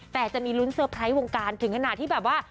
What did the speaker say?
แต่จะมีลุ้นเตอร์ไพรส์วงการถึงขนาดที่แบบว่า